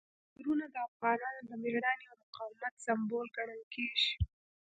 غرونه د افغانانو د مېړانې او مقاومت سمبول ګڼل کېږي.